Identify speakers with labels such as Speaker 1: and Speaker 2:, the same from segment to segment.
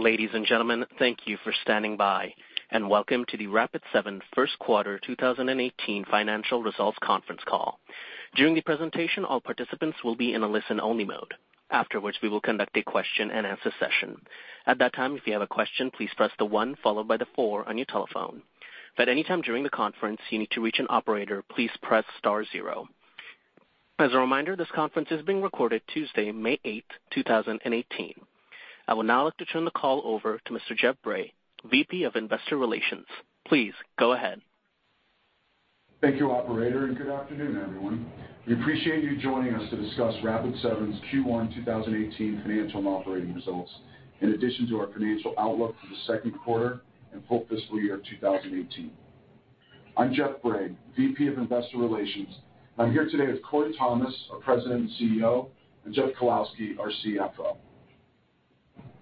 Speaker 1: Ladies and gentlemen, thank you for standing by, welcome to the Rapid7 first quarter 2018 financial results conference call. During the presentation, all participants will be in a listen-only mode. Afterwards, we will conduct a question and answer session. At that time, if you have a question, please press the one followed by the four on your telephone. If at any time during the conference you need to reach an operator, please press star zero. As a reminder, this conference is being recorded Tuesday, May 8th, 2018. I will now like to turn the call over to Mr. Jeff Bray, VP of Investor Relations. Please go ahead.
Speaker 2: Thank you, operator, good afternoon, everyone. We appreciate joining us to discuss Rapid7's Q1 2018 financial and operating results, in addition to our financial outlook for the second quarter and full fiscal year of 2018. I'm Jeff Bray, VP of Investor Relations. I'm here today with Corey Thomas, our President and CEO, and Jeff Kalowski, our CFO.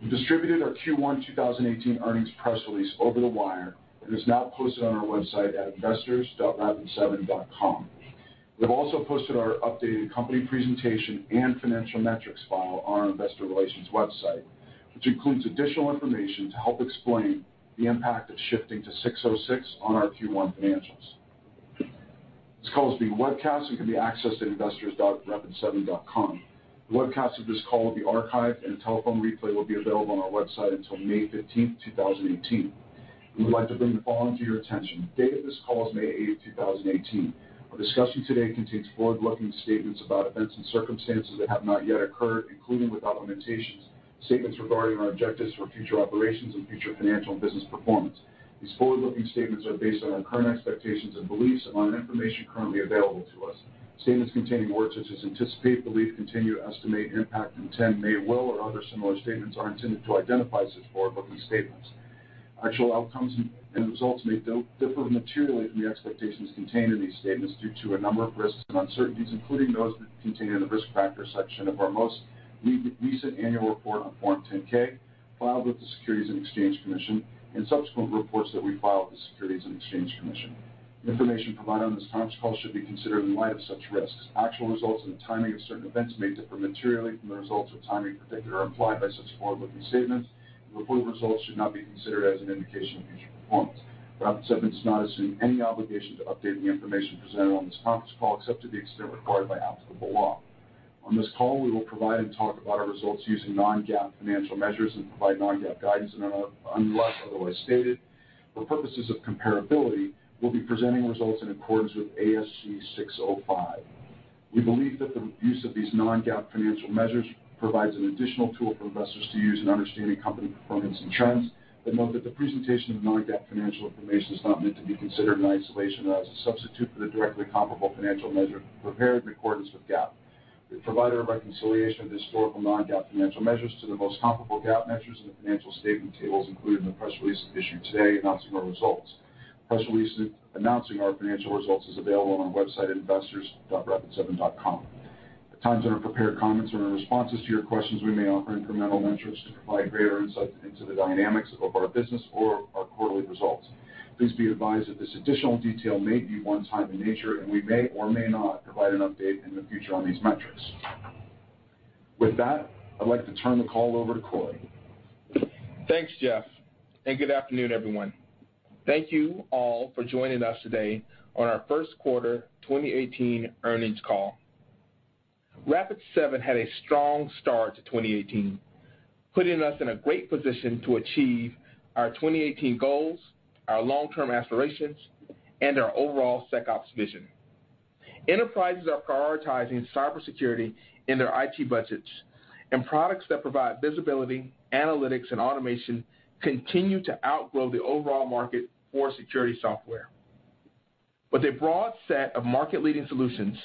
Speaker 2: We distributed our Q1 2018 earnings press release over the wire. It is now posted on our website at investors.rapid7.com. We've also posted our updated company presentation and financial metrics file on our investor relations website, which includes additional information to help explain the impact of shifting to 606 on our Q1 financials. This call is being webcast and can be accessed at investors.rapid7.com. The webcast of this call will be archived, and a telephone replay will be available on our website until May 15th, 2018. We would like to bring the following to your attention. The date of this call is May 8th, 2018. Our discussion today contains forward-looking statements about events and circumstances that have not yet occurred, including, without limitations, statements regarding our objectives for future operations and future financial and business performance. These forward-looking statements are based on our current expectations and beliefs and on information currently available to us. Statements containing words such as anticipate, believe, continue, estimate, impact, intend, may, will, or other similar statements are intended to identify such forward-looking statements. Actual outcomes and results may differ materially from the expectations contained in these statements due to a number of risks and uncertainties, including those that are contained in the Risk Factors section of our most recent annual report on Form 10-K filed with the Securities and Exchange Commission, subsequent reports that we file with the Securities and Exchange Commission. Information provided on this conference call should be considered in light of such risks. Actual results and the timing of certain events may differ materially from the results or timing predicted or implied by such forward-looking statements, reported results should not be considered as an indication of future performance. Rapid7 does not assume any obligation to update the information presented on this conference call except to the extent required by applicable law. On this call, we will provide and talk about our results using non-GAAP financial measures and provide non-GAAP guidance unless otherwise stated. For purposes of comparability, we will be presenting results in accordance with ASC 605. We believe that the use of these non-GAAP financial measures provides an additional tool for investors to use in understanding company performance and trends, but note that the presentation of non-GAAP financial information is not meant to be considered in isolation or as a substitute for the directly comparable financial measure prepared in accordance with GAAP. We have provided a reconciliation of historical non-GAAP financial measures to the most comparable GAAP measures in the financial statement tables included in the press release issued today announcing our results. The press release announcing our financial results is available on our website at investors.rapid7.com. At times, in our prepared comments or in responses to your questions, we may offer incremental measures to provide greater insight into the dynamics of our business or our quarterly results. Please be advised that this additional detail may be one-time in nature, and we may or may not provide an update in the future on these metrics. With that, I would like to turn the call over to Corey.
Speaker 3: Thanks, Jeff, and good afternoon, everyone. Thank you all for joining us today on our first quarter 2018 earnings call. Rapid7 had a strong start to 2018, putting us in a great position to achieve our 2018 goals, our long-term aspirations, and our overall SecOps vision. Enterprises are prioritizing cybersecurity in their IT budgets, and products that provide visibility, analytics, and automation continue to outgrow the overall market for security software. With a broad set of market-leading solutions,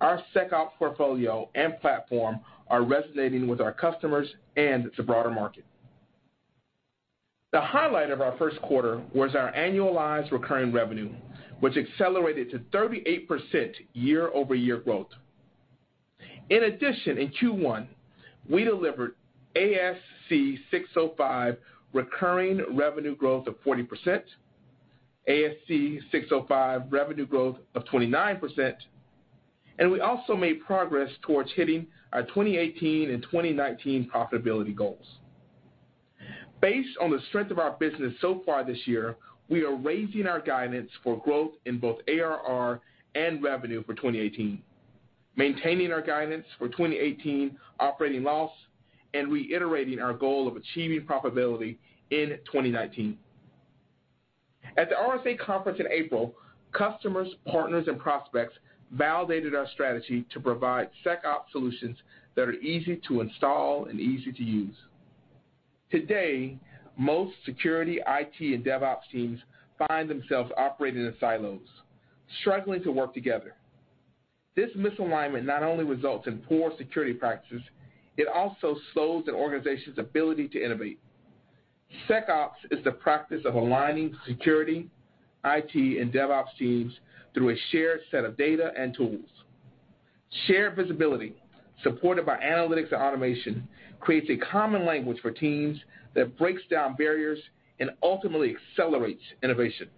Speaker 3: our SecOps portfolio and platform are resonating with our customers and the broader market. The highlight of our first quarter was our annualized recurring revenue, which accelerated to 38% year-over-year growth. In addition, in Q1, we delivered ASC 605 recurring revenue growth of 40%, ASC 605 revenue growth of 29%, and we also made progress towards hitting our 2018 and 2019 profitability goals. Based on the strength of our business so far this year, we are raising our guidance for growth in both ARR and revenue for 2018, maintaining our guidance for 2018 operating loss, and reiterating our goal of achieving profitability in 2019. At the RSA Conference in April, customers, partners, and prospects validated our strategy to provide SecOps solutions that are easy to install and easy to use. Today, most security, IT, and DevOps teams find themselves operating in silos, struggling to work together. This misalignment not only results in poor security practices, it also slows an organization's ability to innovate. SecOps is the practice of aligning security, IT, and DevOps teams through a shared set of data and tools. Shared visibility, supported by analytics and automation, creates a common language for teams that breaks down barriers and ultimately accelerates innovation.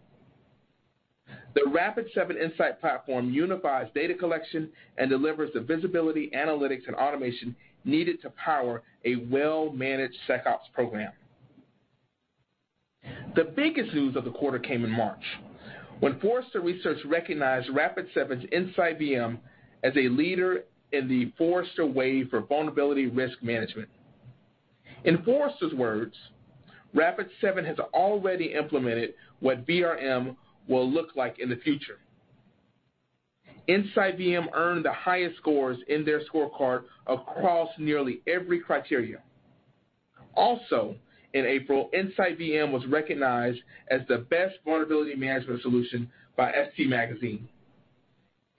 Speaker 3: The Rapid7 Insight Platform unifies data collection and delivers the visibility, analytics, and automation needed to power a well-managed SecOps program. The biggest news of the quarter came in March, when Forrester Research recognized Rapid7's InsightVM as a leader in the Forrester Wave for Vulnerability Risk Management. In Forrester's words, Rapid7 has already implemented what VRM will look like in the future. InsightVM earned the highest scores in their scorecard across nearly every criteria. Also, in April, InsightVM was recognized as the best vulnerability management solution by SC Magazine.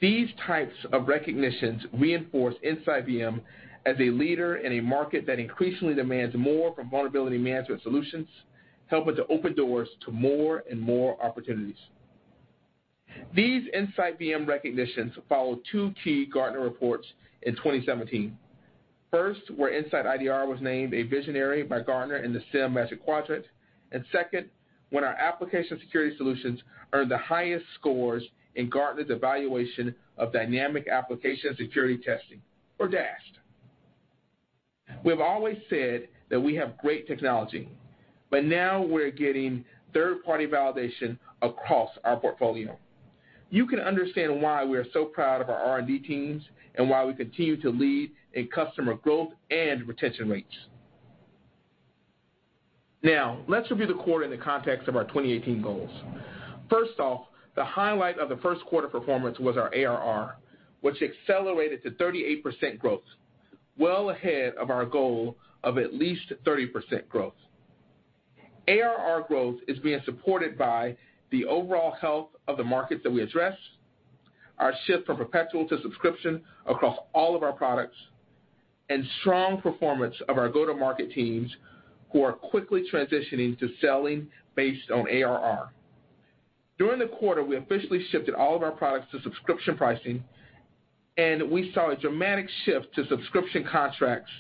Speaker 3: These types of recognitions reinforce InsightVM as a leader in a market that increasingly demands more from vulnerability management solutions, helping to open doors to more and more opportunities. These InsightVM recognitions follow two key Gartner reports in 2017. First, where InsightIDR was named a Visionary by Gartner in the SIEM Magic Quadrant, and second, when our application security solutions earned the highest scores in Gartner's evaluation of dynamic application security testing, or DAST. We've always said that we have great technology, but now we're getting third-party validation across our portfolio. You can understand why we are so proud of our R&D teams and why we continue to lead in customer growth and retention rates. Now, let's review the quarter in the context of our 2018 goals. First off, the highlight of the first quarter performance was our ARR, which accelerated to 38% growth, well ahead of our goal of at least 30% growth. ARR growth is being supported by the overall health of the markets that we address, our shift from perpetual to subscription across all of our products, and strong performance of our go-to-market teams, who are quickly transitioning to selling based on ARR. During the quarter, we officially shifted all of our products to subscription pricing. We saw a dramatic shift to subscription contracts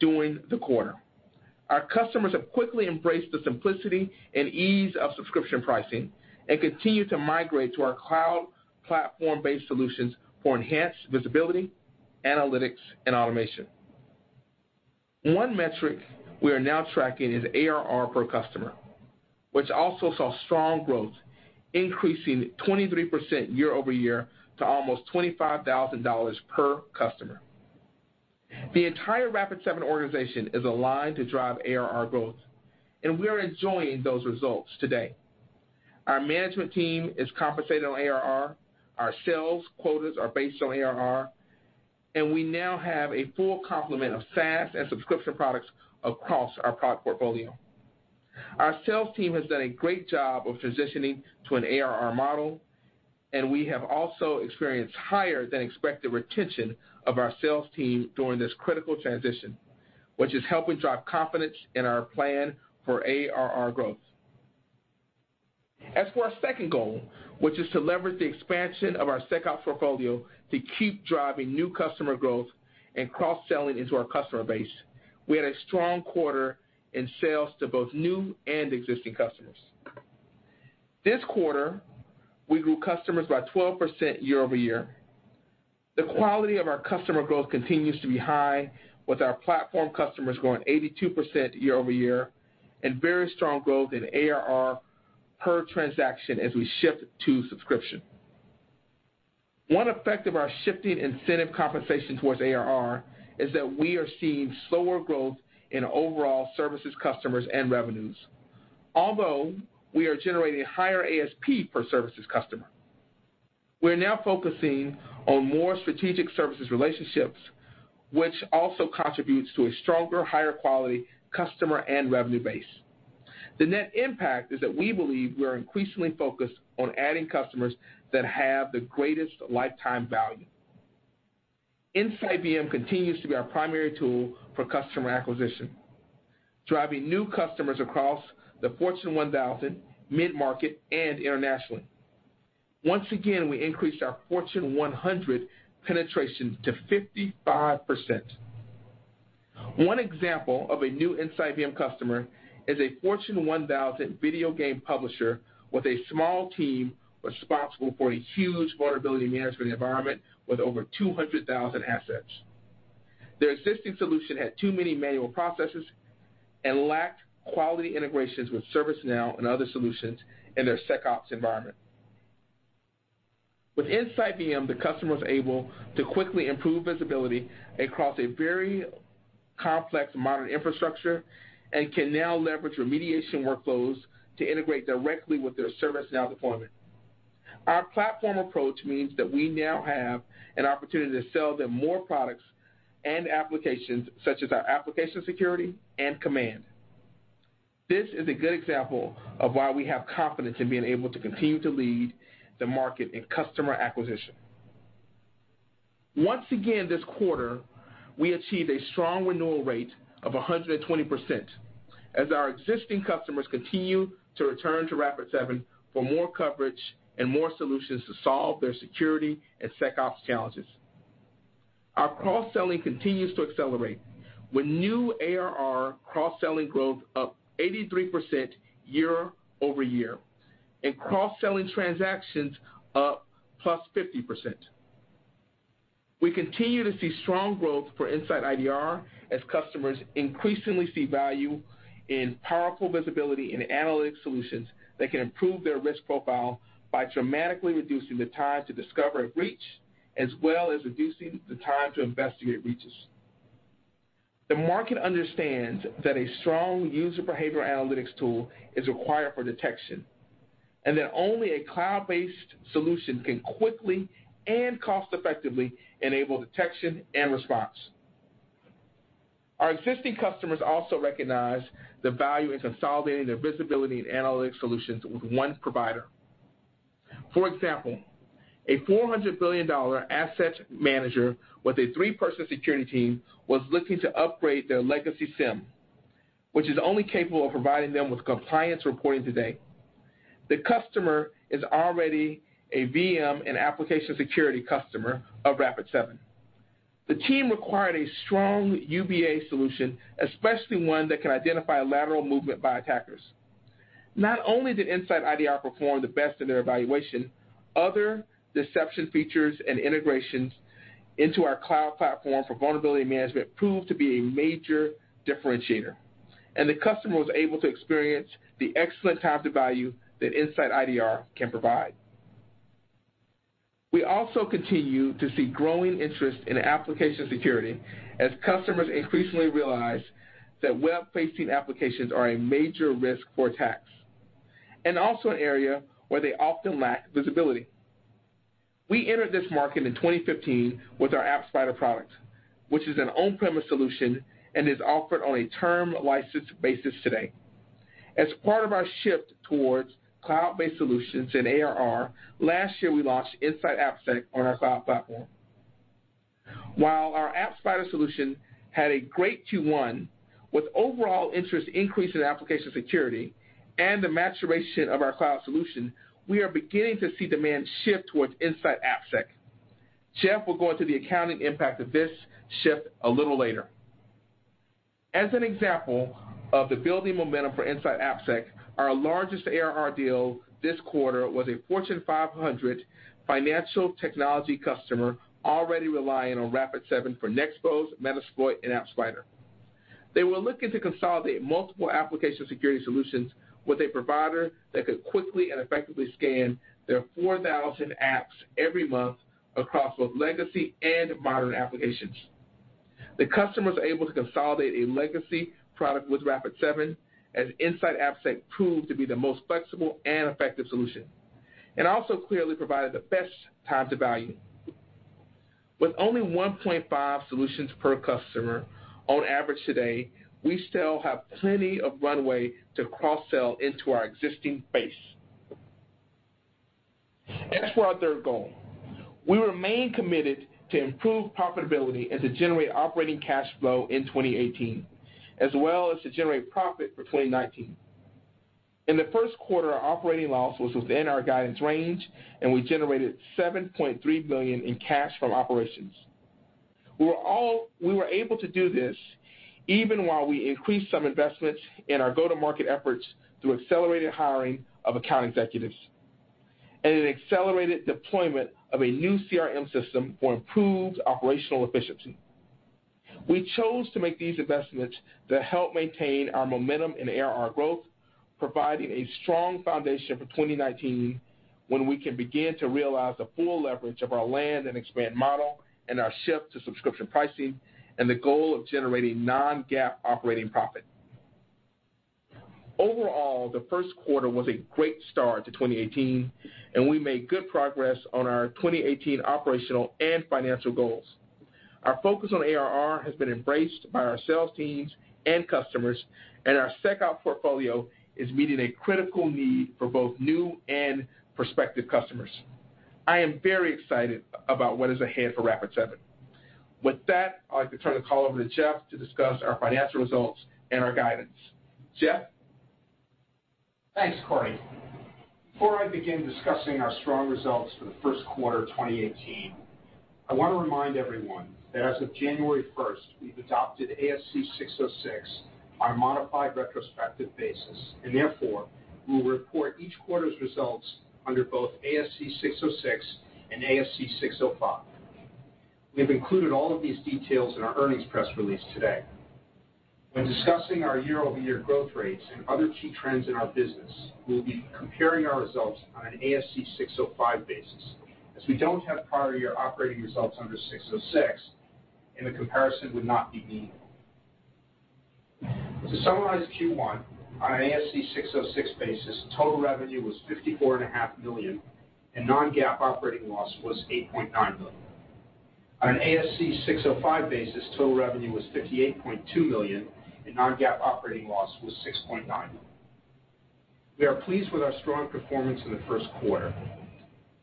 Speaker 3: during the quarter. Our customers have quickly embraced the simplicity and ease of subscription pricing and continue to migrate to our cloud platform-based solutions for enhanced visibility, analytics, and automation. One metric we are now tracking is ARR per customer, which also saw strong growth, increasing 23% year-over-year to almost $25,000 per customer. The entire Rapid7 organization is aligned to drive ARR growth. We are enjoying those results today. Our management team is compensated on ARR, our sales quotas are based on ARR. We now have a full complement of SaaS and subscription products across our product portfolio. Our sales team has done a great job of transitioning to an ARR model. We have also experienced higher than expected retention of our sales team during this critical transition, which is helping drive confidence in our plan for ARR growth. As for our second goal, which is to leverage the expansion of our SecOps portfolio to keep driving new customer growth and cross-selling into our customer base, we had a strong quarter in sales to both new and existing customers. This quarter, we grew customers by 12% year-over-year. The quality of our customer growth continues to be high, with our platform customers growing 82% year-over-year and very strong growth in ARR per transaction as we shift to subscription. One effect of our shifting incentive compensation towards ARR is that we are seeing slower growth in overall services customers and revenues, although we are generating higher ASP per services customer. We're now focusing on more strategic services relationships, which also contributes to a stronger, higher quality customer and revenue base. The net impact is that we believe we are increasingly focused on adding customers that have the greatest lifetime value. InsightVM continues to be our primary tool for customer acquisition, driving new customers across the Fortune 1000, mid-market, and internationally. Once again, we increased our Fortune 100 penetration to 55%. One example of a new InsightVM customer is a Fortune 1000 video game publisher with a small team responsible for a huge vulnerability management environment with over 200,000 assets. Their existing solution had too many manual processes and lacked quality integrations with ServiceNow and other solutions in their SecOps environment. With InsightVM, the customer's able to quickly improve visibility across a very complex modern infrastructure and can now leverage remediation workflows to integrate directly with their ServiceNow deployment. Our platform approach means that we now have an opportunity to sell them more products and applications, such as our application security and Command. This is a good example of why we have confidence in being able to continue to lead the market in customer acquisition. Once again, this quarter, we achieved a strong renewal rate of 120% as our existing customers continue to return to Rapid7 for more coverage and more solutions to solve their security and SecOps challenges. Our cross-selling continues to accelerate with new ARR cross-selling growth up 83% year-over-year, cross-selling transactions up +50%. We continue to see strong growth for InsightIDR as customers increasingly see value in powerful visibility and analytics solutions that can improve their risk profile by dramatically reducing the time to discover a breach, as well as reducing the time to investigate breaches. The market understands that a strong user behavior analytics tool is required for detection, that only a cloud-based solution can quickly and cost-effectively enable detection and response. Our existing customers also recognize the value in consolidating their visibility and analytics solutions with one provider. For example, a $400 billion asset manager with a three-person security team was looking to upgrade their legacy SIEM, which is only capable of providing them with compliance reporting today. The customer is already a VM and application security customer of Rapid7. The team required a strong UBA solution, especially one that can identify lateral movement by attackers. Not only did InsightIDR perform the best in their evaluation, other deception features and integrations into our cloud platform for vulnerability management proved to be a major differentiator. The customer was able to experience the excellent time to value that InsightIDR can provide. We also continue to see growing interest in application security as customers increasingly realize that web-facing applications are a major risk for attacks, also an area where they often lack visibility. We entered this market in 2015 with our AppSpider product, which is an on-premise solution and is offered on a term license basis today. As part of our shift towards cloud-based solutions in ARR, last year, we launched InsightAppSec on our cloud platform. While our AppSpider solution had a great Q1, with overall interest increase in application security and the maturation of our cloud solution, we are beginning to see demand shift towards InsightAppSec. Jeff will go into the accounting impact of this shift a little later. As an example of the building momentum for InsightAppSec, our largest ARR deal this quarter was a Fortune 500 financial technology customer already relying on Rapid7 for Nexpose, Metasploit, and AppSpider. They were looking to consolidate multiple application security solutions with a provider that could quickly and effectively scan their 4,000 apps every month across both legacy and modern applications. The customer was able to consolidate a legacy product with Rapid7, as InsightAppSec proved to be the most flexible and effective solution, and also clearly provided the best time to value. With only 1.5 solutions per customer on average today, we still have plenty of runway to cross-sell into our existing base. As for our third goal, we remain committed to improved profitability and to generate operating cash flow in 2018, as well as to generate profit for 2019. In the first quarter, our operating loss was within our guidance range, and we generated $7.3 million in cash from operations. We were able to do this even while we increased some investments in our go-to-market efforts through accelerated hiring of account executives and an accelerated deployment of a new CRM system for improved operational efficiency. We chose to make these investments to help maintain our momentum and ARR growth, providing a strong foundation for 2019, when we can begin to realize the full leverage of our land-and-expand model and our shift to subscription pricing, and the goal of generating non-GAAP operating profit. Overall, the first quarter was a great start to 2018, and we made good progress on our 2018 operational and financial goals. Our focus on ARR has been embraced by our sales teams and customers, and our SecOps portfolio is meeting a critical need for both new and prospective customers. I am very excited about what is ahead for Rapid7. With that, I'd like to turn the call over to Jeff to discuss our financial results and our guidance. Jeff?
Speaker 4: Thanks, Corey. Before I begin discussing our strong results for the first quarter 2018, I want to remind everyone that as of January 1st, we've adopted ASC 606 on a modified retrospective basis, and therefore, we will report each quarter's results under both ASC 606 and ASC 605. We have included all of these details in our earnings press release today. When discussing our year-over-year growth rates and other key trends in our business, we'll be comparing our results on an ASC 605 basis, as we don't have prior year operating results under 606 and the comparison would not be meaningful. To summarize Q1, on an ASC 606 basis, total revenue was 54 and a half million, and non-GAAP operating loss was $8.9 million. On an ASC 605 basis, total revenue was $58.2 million, and non-GAAP operating loss was $6.9 million. We are pleased with our strong performance in the first quarter.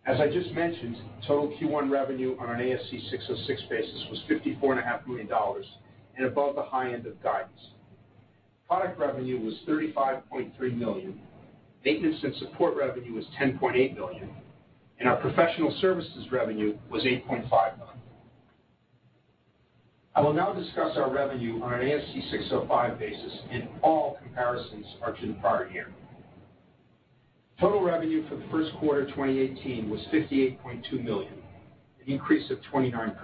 Speaker 4: As I just mentioned, total Q1 revenue on an ASC 606 basis was $54.5 million and above the high end of guidance. Product revenue was $35.3 million. Maintenance and support revenue was $10.8 million, and our professional services revenue was $8.5 million. I will now discuss our revenue on an ASC 605 basis, and all comparisons are to the prior year. Total revenue for the first quarter 2018 was $58.2 million, an increase of 29%.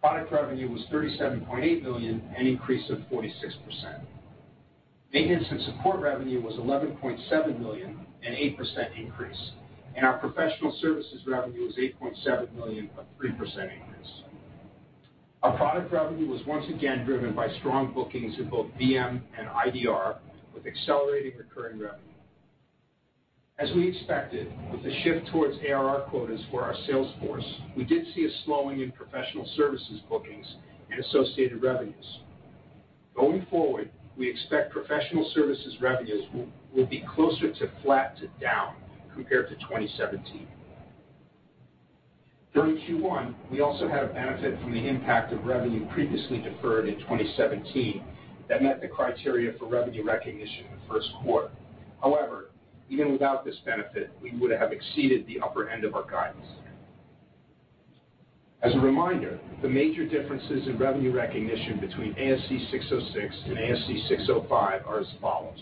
Speaker 4: Product revenue was $37.8 million, an increase of 46%. Maintenance and support revenue was $11.7 million, an 8% increase, and our professional services revenue was $8.7 million, a 3% increase. Our product revenue was once again driven by strong bookings in both VM and IDR, with accelerating recurring revenue. As we expected, with the shift towards ARR quotas for our sales force, we did see a slowing in professional services bookings and associated revenues. Going forward, we expect professional services revenues will be closer to flat to down compared to 2017. During Q1, we also had a benefit from the impact of revenue previously deferred in 2017 that met the criteria for revenue recognition in the first quarter. However, even without this benefit, we would have exceeded the upper end of our guidance. As a reminder, the major differences in revenue recognition between ASC 606 and ASC 605 are as follows.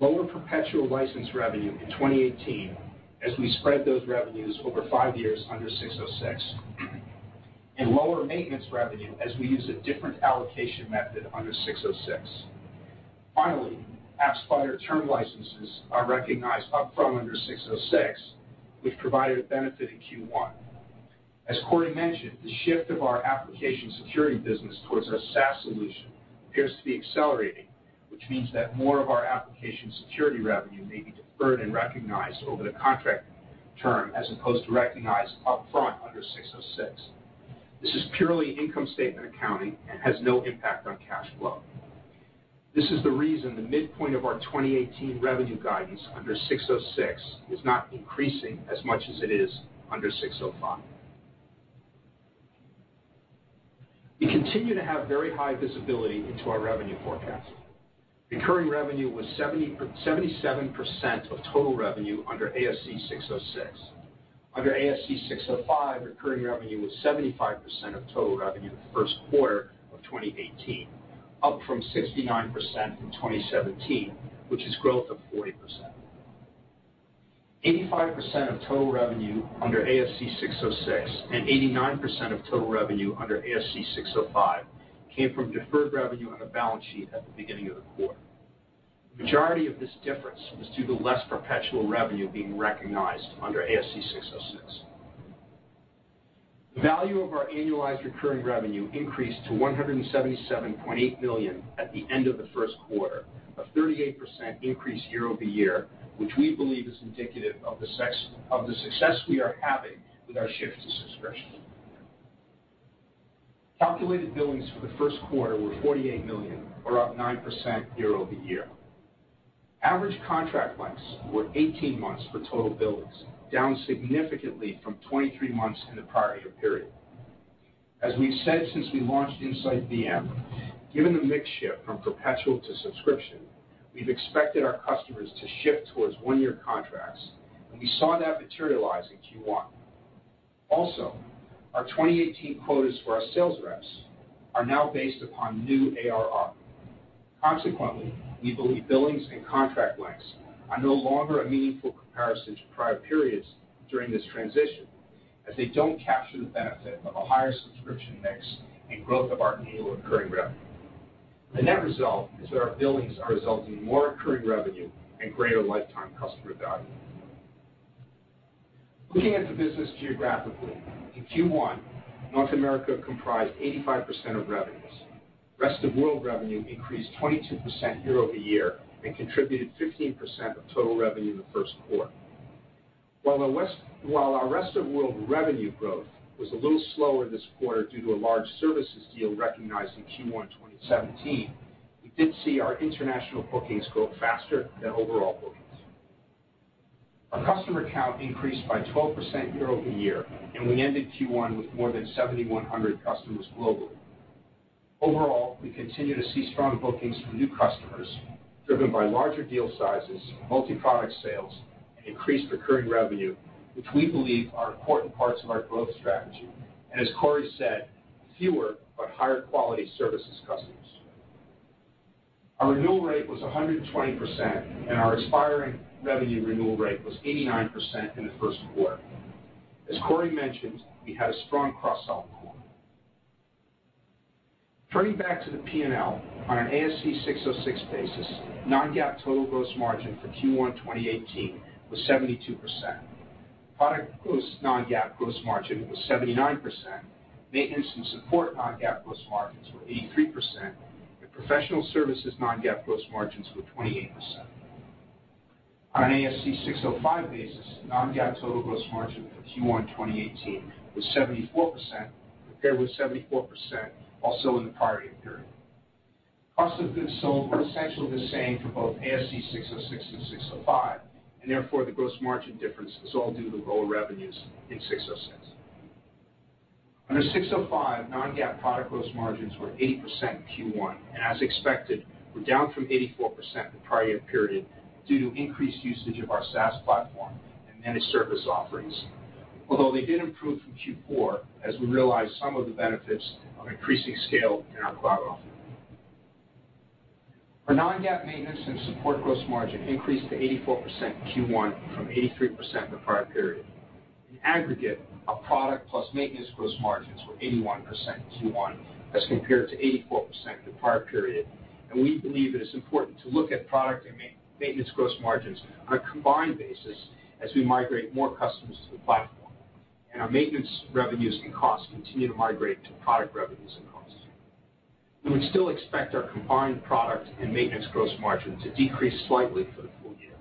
Speaker 4: Lower perpetual license revenue in 2018, as we spread those revenues over 5 years under 606, and lower maintenance revenue, as we use a different allocation method under 606. Finally, AppSpider term licenses are recognized upfront under 606, which provided a benefit in Q1. As Corey mentioned, the shift of our application security business towards our SaaS solution appears to be accelerating, which means that more of our application security revenue may be deferred and recognized over the contract term as opposed to recognized upfront under 606. This is purely income statement accounting and has no impact on cash flow. This is the reason the midpoint of our 2018 revenue guidance under 606 is not increasing as much as it is under 605. We continue to have very high visibility into our revenue forecast. Recurring revenue was 77% of total revenue under ASC 606. Under ASC 605, recurring revenue was 75% of total revenue the first quarter of 2018, up from 69% in 2017, which is growth of 40%. 85% of total revenue under ASC 606 and 89% of total revenue under ASC 605 came from deferred revenue on the balance sheet at the beginning of the quarter. The majority of this difference was due to less perpetual revenue being recognized under ASC 606. The value of our annualized recurring revenue increased to $177.8 million at the end of the first quarter, a 38% increase year-over-year, which we believe is indicative of the success we are having with our shift to subscription. Calculated billings for the first quarter were $48 million, or up 9% year-over-year. Average contract lengths were 18 months for total billings, down significantly from 23 months in the prior year period. As we've said since we launched InsightVM, given the mix shift from perpetual to subscription, we've expected our customers to shift towards one-year contracts, and we saw that materialize in Q1. Our 2018 quotas for our sales reps are now based upon new ARR. We believe billings and contract lengths are no longer a meaningful comparison to prior periods during this transition, as they don't capture the benefit of a higher subscription mix and growth of our annual recurring revenue. The net result is that our billings are resulting in more recurring revenue and greater lifetime customer value. Looking at the business geographically, in Q1, North America comprised 85% of revenues. Rest of world revenue increased 22% year-over-year and contributed 15% of total revenue in the first quarter. While our rest of world revenue growth was a little slower this quarter due to a large services deal recognized in Q1 2017, we did see our international bookings grow faster than overall bookings. Our customer count increased by 12% year-over-year, and we ended Q1 with more than 7,100 customers globally. Overall, we continue to see strong bookings from new customers driven by larger deal sizes, multi-product sales, and increased recurring revenue, which we believe are important parts of our growth strategy, and as Corey said, fewer but higher quality services customers. Our renewal rate was 120%, and our expiring revenue renewal rate was 89% in the first quarter. As Corey mentioned, we had a strong cross-sell quarter. Turning back to the P&L on an ASC 606 basis, non-GAAP total gross margin for Q1 2018 was 72%. Product non-GAAP gross margin was 79%. Maintenance and support non-GAAP gross margins were 83%, and professional services non-GAAP gross margins were 28%. On an ASC 605 basis, non-GAAP total gross margin for Q1 2018 was 74%, compared with 74% also in the prior year period. Cost of goods sold were essentially the same for both ASC 606 and 605. Therefore, the gross margin difference is all due to lower revenues in 606. Under 605, non-GAAP product gross margins were 80% in Q1, and as expected, were down from 84% the prior year period due to increased usage of our SaaS platform and managed service offerings. Although they did improve from Q4, as we realized some of the benefits of increasing scale in our cloud offering. Our non-GAAP maintenance and support gross margin increased to 84% in Q1 from 83% the prior period. In aggregate, our product plus maintenance gross margins were 81% in Q1 as compared to 84% the prior period, and we believe that it's important to look at product and maintenance gross margins on a combined basis as we migrate more customers to the platform, and our maintenance revenues and costs continue to migrate to product revenues and costs. We would still expect our combined product and maintenance gross margin to decrease slightly for the full year.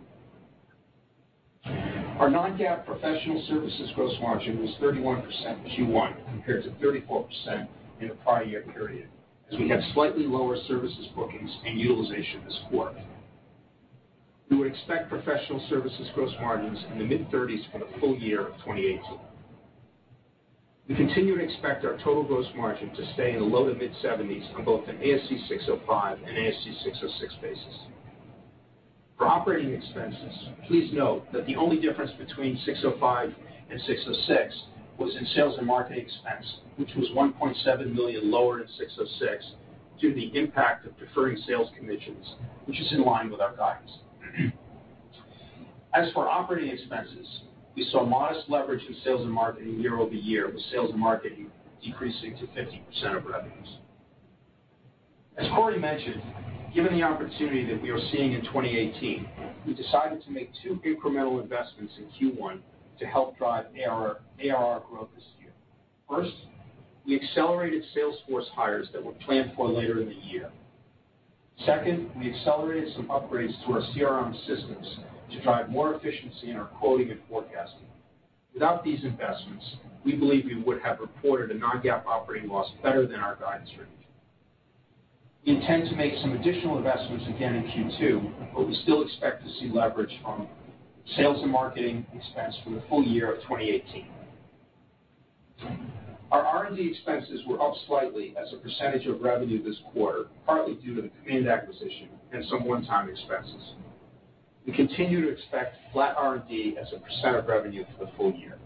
Speaker 4: Our non-GAAP professional services gross margin was 31% in Q1 compared to 34% in the prior year period, as we had slightly lower services bookings and utilization this quarter. We would expect professional services gross margins in the mid-30s for the full year of 2018. We continue to expect our total gross margin to stay in the low to mid-70s on both an ASC 605 and ASC 606 basis. For operating expenses, please note that the only difference between ASC 605 and ASC 606 was in sales and marketing expense, which was $1.7 million lower in ASC 606 due to the impact of deferring sales commissions, which is in line with our guidance. As for operating expenses, we saw modest leverage in sales and marketing year-over-year, with sales and marketing decreasing to 50% of revenues. As Corey mentioned, given the opportunity that we are seeing in 2018, we decided to make two incremental investments in Q1 to help drive ARR growth this year. First, we accelerated sales force hires that were planned for later in the year. Second, we accelerated some upgrades to our CRM systems to drive more efficiency in our quoting and forecasting. Without these investments, we believe we would have reported a non-GAAP operating loss better than our guidance range. We intend to make some additional investments again in Q2, but we still expect to see leverage on sales and marketing expense for the full year of 2018. Our R&D expenses were up slightly as a percentage of revenue this quarter, partly due to the Command acquisition and some one-time expenses. We continue to expect flat R&D as a percent of revenue for the full year.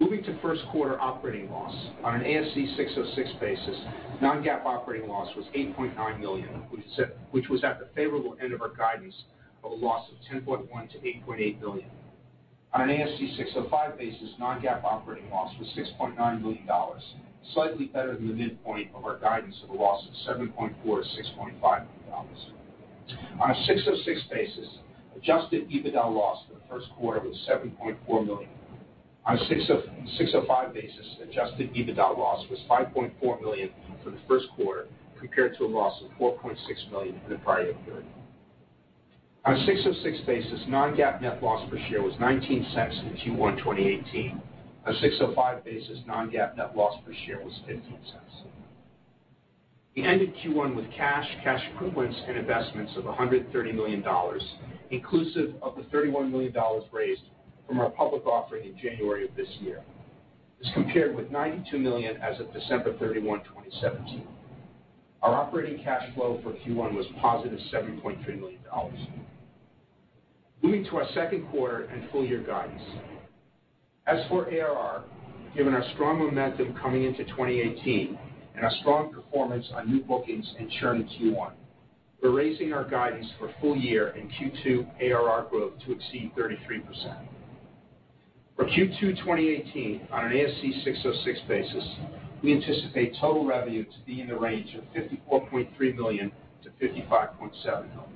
Speaker 4: Moving to first quarter operating loss. On an ASC 606 basis, non-GAAP operating loss was $8.9 million, which was at the favorable end of our guidance of a loss of $10.1 million to $8.8 million. On an ASC 605 basis, non-GAAP operating loss was $6.9 million, slightly better than the midpoint of our guidance of a loss of $7.4 million to $6.5 million. On an ASC 606 basis, adjusted EBITDA loss for the first quarter was $7.4 million. On an ASC 605 basis, adjusted EBITDA loss was $5.4 million for the first quarter, compared to a loss of $4.6 million in the prior year period. On an ASC 606 basis, non-GAAP net loss per share was $0.19 in Q1 2018. On an ASC 605 basis, non-GAAP net loss per share was $0.15. We ended Q1 with cash equivalents, and investments of $130 million, inclusive of the $31 million raised from our public offering in January of this year, as compared with $92 million as of December 31, 2017. Our operating cash flow for Q1 was positive $7.3 million. Moving to our second quarter and full year guidance. As for ARR, given our strong momentum coming into 2018 and our strong performance on new bookings and churn in Q1, we are raising our guidance for full year and Q2 ARR growth to exceed 33%. For Q2 2018, on an ASC 606 basis, we anticipate total revenue to be in the range of $54.3 million-$55.7 million.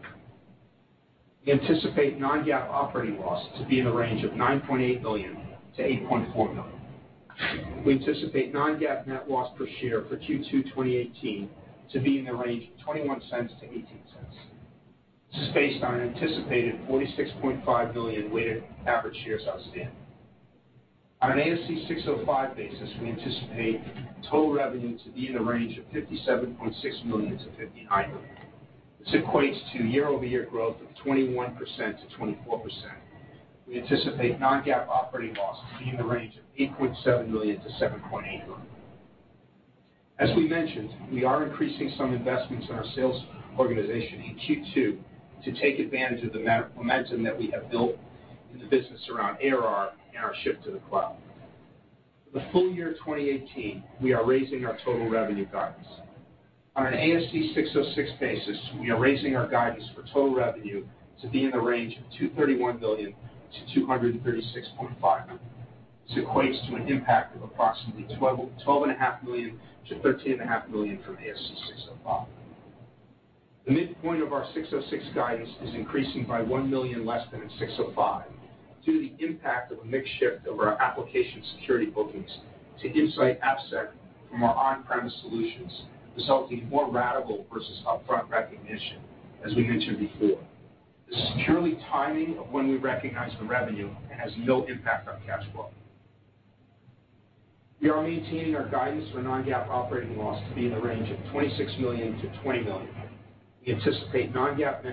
Speaker 4: We anticipate non-GAAP operating loss to be in the range of $9.8 million to $8.4 million. We anticipate non-GAAP net loss per share for Q2 2018 to be in the range of $0.21 to $0.18. This is based on an anticipated 46.5 million weighted average shares outstanding. On an ASC 605 basis, we anticipate total revenue to be in the range of $57.6 million-$59 million. This equates to year-over-year growth of 21%-24%. We anticipate non-GAAP operating loss to be in the range of $8.7 million to $7.8 million. As we mentioned, we are increasing some investments in our sales organization in Q2 to take advantage of the momentum that we have built in the business around ARR and our shift to the cloud. For the full year 2018, we are raising our total revenue guidance. On an ASC 606 basis, we are raising our guidance for total revenue to be in the range of $231 million-$236.5 million. This equates to an impact of approximately $12.5 million-$13.5 million from ASC 605. The midpoint of our 606 guidance is increasing by $1 million less than in 605 due to the impact of a mix shift of our application security bookings to InsightAppSec from our on-premise solutions, resulting in more ratable versus upfront recognition, as we mentioned before. This is purely timing of when we recognize the revenue and has no impact on cash flow. We are maintaining our guidance for non-GAAP operating loss to be in the range of $26 million-$20 million. We anticipate non-GAAP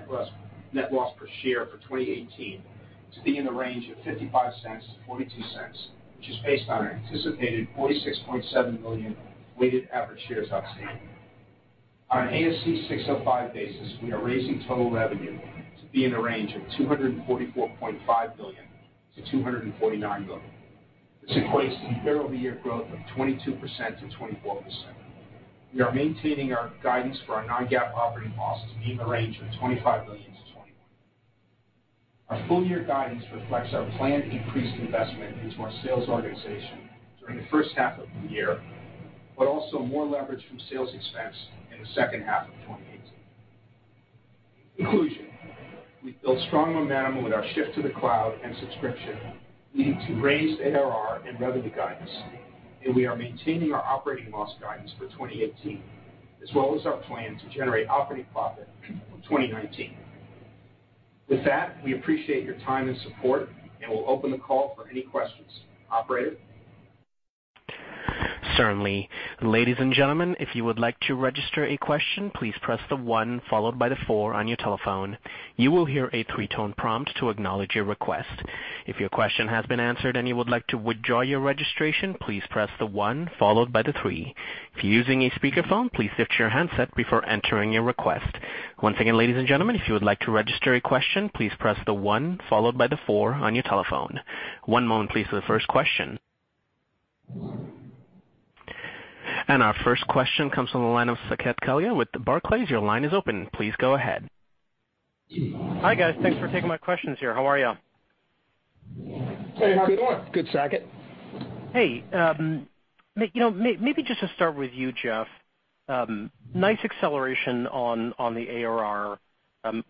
Speaker 4: net loss per share for 2018 to be in the range of $0.55-$0.42, which is based on our anticipated 46.7 million weighted average shares outstanding. On an ASC 605 basis, we are raising total revenue to be in the range of $244.5 million-$249 million. This equates to year-over-year growth of 22%-24%. We are maintaining our guidance for our non-GAAP operating losses to be in the range of $25 million-$20 million. Our full year guidance reflects our planned increased investment into our sales organization during the first half of the year, also more leverage from sales expense in the second half of 2018. In conclusion, we've built strong momentum with our shift to the cloud and subscription, leading to raised ARR and revenue guidance. We are maintaining our operating loss guidance for 2018, as well as our plan to generate operating profit in 2019. With that, we appreciate your time and support. We'll open the call for any questions. Operator?
Speaker 1: Certainly. Ladies and gentlemen, if you would like to register a question, please press the 1 followed by the 4 on your telephone. You will hear a three-tone prompt to acknowledge your request. If your question has been answered and you would like to withdraw your registration, please press the 1 followed by the 3. If you're using a speakerphone, please lift your handset before entering your request. Once again, ladies and gentlemen, if you would like to register a question, please press the 1 followed by the 4 on your telephone. One moment please for the first question. Our first question comes from the line of Saket Kalia with Barclays. Your line is open. Please go ahead.
Speaker 5: Hi, guys. Thanks for taking my questions here. How are youall?
Speaker 4: Hey, how are you doing? Good, Saket.
Speaker 5: Hey, maybe just to start with you, Jeff. Nice acceleration on the ARR.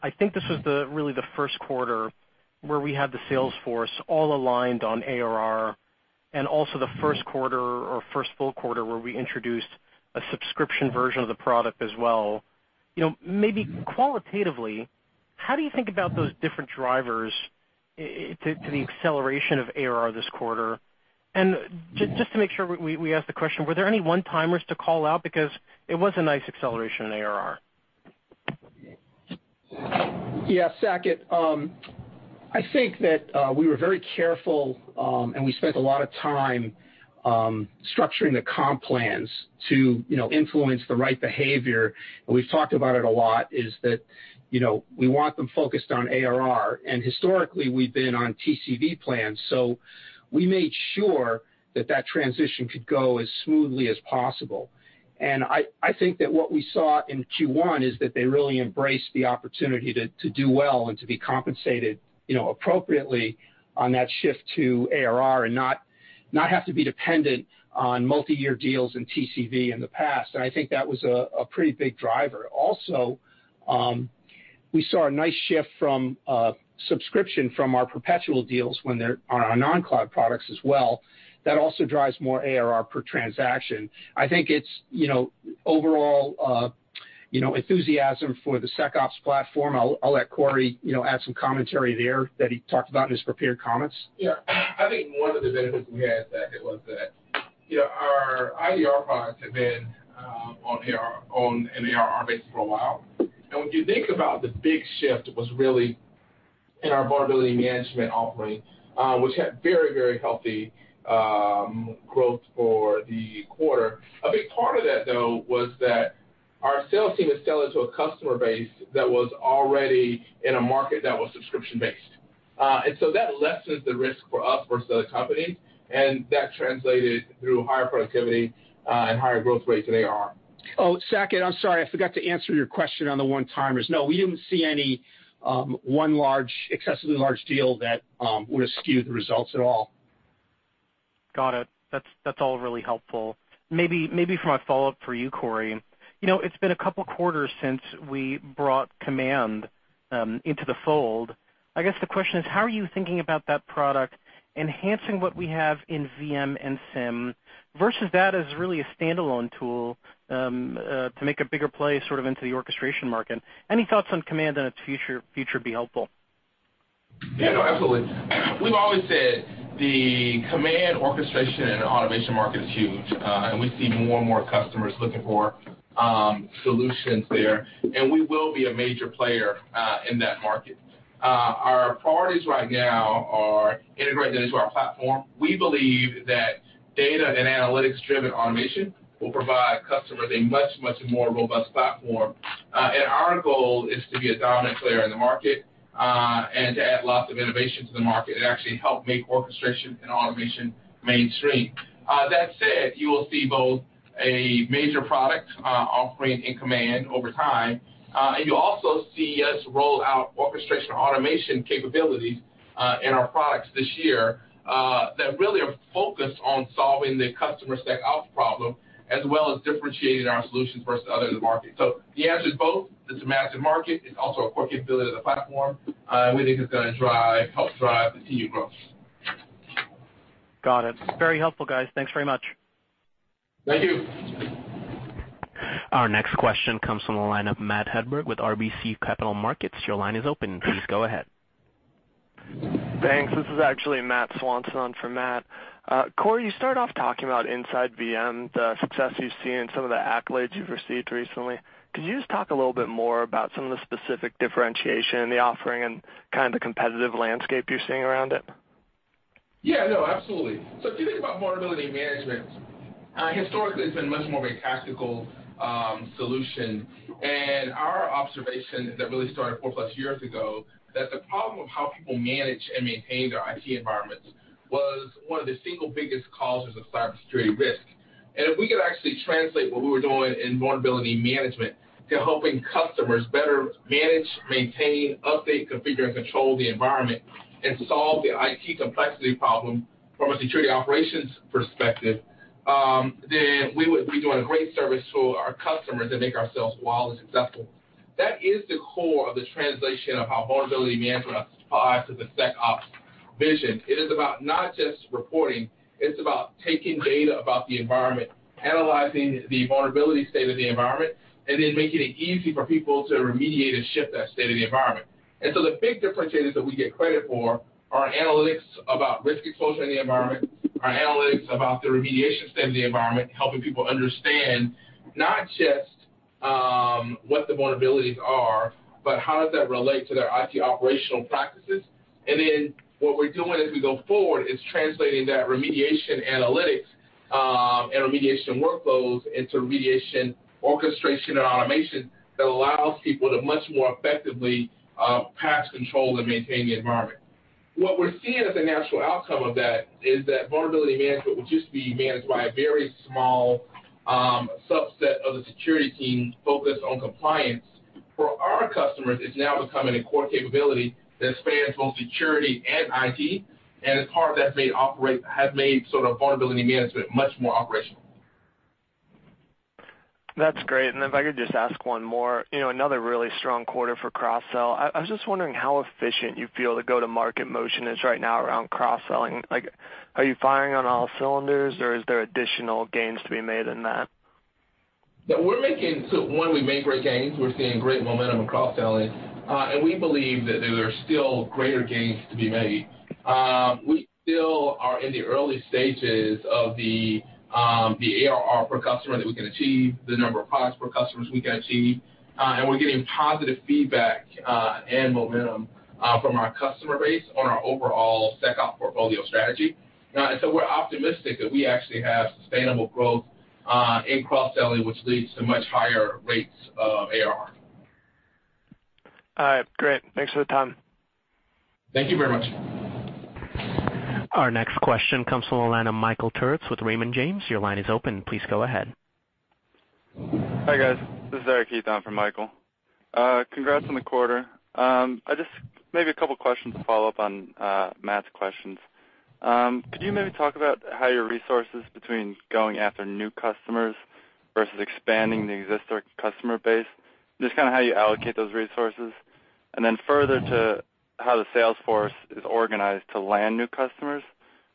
Speaker 5: I think this was really the first quarter where we had the sales force all aligned on ARR and also the first quarter or first full quarter where we introduced a subscription version of the product as well. Maybe qualitatively, how do you think about those different drivers to the acceleration of ARR this quarter? Just to make sure we ask the question, were there any one-timers to call out because it was a nice acceleration in ARR?
Speaker 4: Yeah, Saket. I think that we were very careful, and we spent a lot of time structuring the comp plans to influence the right behavior, and we've talked about it a lot, is that we want them focused on ARR, and historically, we've been on TCV plans, so we made sure that that transition could go as smoothly as possible. I think that what we saw in Q1 is that they really embraced the opportunity to do well and to be compensated appropriately on that shift to ARR and not have to be dependent on multi-year deals and TCV in the past. I think that was a pretty big driver. Also, we saw a nice shift from subscription from our perpetual deals when they're on our non-cloud products as well. That also drives more ARR per transaction. I think it's overall enthusiasm for the SecOps platform. I'll let Corey add some commentary there that he talked about in his prepared comments. Yeah. I think one of the benefits we had, Saket, was that our IDR products have been on an ARR base for a while, and when you think about the big shift was really in our vulnerability management offering, which had very healthy growth for the quarter. A big part of that, though, was that our sales team is selling to a customer base that was already in a market that was subscription-based. That lessens the risk for us versus other companies, and that translated through higher productivity and higher growth rates in ARR. Oh, Saket, I'm sorry. I forgot to answer your question on the one-timers. No, we didn't see any one excessively large deal that would have skewed the results at all.
Speaker 5: Got it. That's all really helpful. Maybe for my follow-up for you, Corey. It's been a couple quarters since we brought Command into the fold. I guess the question is, how are you thinking about that product enhancing what we have in VM and SIEM versus that as really a standalone tool to make a bigger play into the orchestration market? Any thoughts on Command and its future would be helpful.
Speaker 3: Yeah, no, absolutely. We've always said the command, orchestration, and automation market is huge. We see more and more customers looking for solutions there. We will be a major player in that market. Our priorities right now are integrating it into our platform. We believe that data and analytics-driven automation will provide customers a much more robust platform. Our goal is to be a dominant player in the market, to add lots of innovation to the market, and actually help make orchestration and automation mainstream. That said, you will see both a major product offering in Command over time, you'll also see us roll out orchestration and automation capabilities in our products this year that really are focused on solving the customer SecOps problem, as well as differentiating our solutions versus others in the market. The answer is both. It's a massive market.
Speaker 4: It's also a core capability of the platform. We think it's going to help drive the continued growth.
Speaker 5: Got it. Very helpful, guys. Thanks very much.
Speaker 3: Thank you.
Speaker 1: Our next question comes from the line of Matt Swanson with RBC Capital Markets. Your line is open. Please go ahead.
Speaker 6: Thanks. This is actually Matt Swanson on for Matt. Corey, you started off talking about InsightVM, the success you've seen, some of the accolades you've received recently. Could you just talk a little bit more about some of the specific differentiation in the offering and kind of the competitive landscape you're seeing around it?
Speaker 3: Yeah, no, absolutely. If you think about vulnerability management, historically, it's been much more of a tactical solution. Our observation that really started four-plus years ago, that the problem of how people manage and maintain their IT environments was one of the single biggest causes of cybersecurity risk. If we could actually translate what we were doing in vulnerability management to helping customers better manage, maintain, update, configure, and control the environment and solve the IT complexity problem from a security operations perspective, then we'd be doing a great service to our customers and make ourselves wildly successful. That is the core of the translation of how vulnerability management applies to the SecOps vision. It is about not just reporting, it's about taking data about the environment, analyzing the vulnerability state of the environment, and then making it easy for people to remediate and shift that state of the environment. The big differentiators that we get credit for are our analytics about risk exposure in the environment, our analytics about the remediation state of the environment, helping people understand not just what the vulnerabilities are, but how does that relate to their IT operational practices. What we're doing as we go forward is translating that remediation analytics, and remediation workflows into remediation orchestration and automation that allows people to much more effectively pass control and maintain the environment. What we're seeing as a natural outcome of that is that vulnerability management, which used to be managed by a very small subset of the security team focused on compliance, for our customers, it's now becoming a core capability that spans both security and IT, and it's part of that have made sort of vulnerability management much more operational.
Speaker 6: That's great. If I could just ask one more. Another really strong quarter for cross-sell. I was just wondering how efficient you feel the go-to-market motion is right now around cross-selling. Are you firing on all cylinders, or is there additional gains to be made in that?
Speaker 3: Yeah. One, we've made great gains. We're seeing great momentum in cross-selling. We believe that there are still greater gains to be made. We still are in the early stages of the ARR per customer that we can achieve, the number of products per customers we can achieve. We're getting positive feedback and momentum from our customer base on our overall SecOps portfolio strategy. We're optimistic that we actually have sustainable growth in cross-selling, which leads to much higher rates of ARR.
Speaker 6: All right, great. Thanks for the time.
Speaker 3: Thank you very much.
Speaker 1: Our next question comes from the line of Eric Keith with Raymond James. Your line is open. Please go ahead.
Speaker 7: Hi, guys. This is Eric Keith on for Michael. Congrats on the quarter. Maybe a couple questions to follow up on Matt's questions. Could you maybe talk about how your resources between going after new customers versus expanding the existing customer base, just kind of how you allocate those resources? Further to how the sales force is organized to land new customers